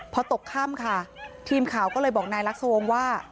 พอตกค่ำค่ะทีมข่าวก็เลยบอกนายลักษวงศ์ว่า